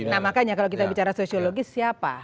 nah makanya kalau kita bicara sosiologis siapa